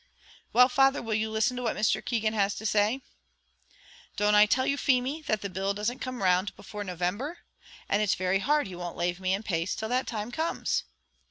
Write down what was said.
"Well, father, will you listen to what Mr. Keegan has to say?" "Don't I tell you, Feemy, that the bill doesn't come round before November? and it's very hard he won't lave me in pace till that time comes."